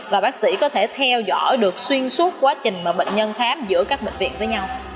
và bác sĩ có thể theo dõi được xuyên suốt quá trình mà bệnh nhân khám giữa các bệnh viện với nhau